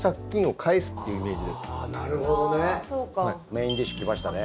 メインディッシュ来ましたね。